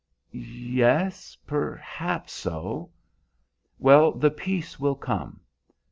"Yes, perhaps so." "Well, the peace will come.